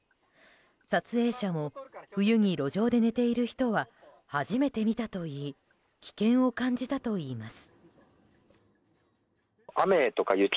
撮影者も冬に路上で寝ている人は初めて見たといい危険を感じたといいます。